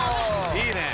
いいね！